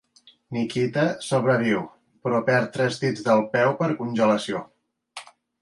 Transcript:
Nikita sobreviu, però perd tres dits del peu per congelació.